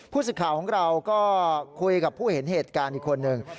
สิทธิ์ข่าวของเราก็คุยกับผู้เห็นเหตุการณ์อีกคนหนึ่ง